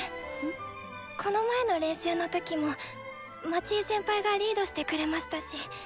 この前の練習の時も町井先輩がリードしてくれましたし。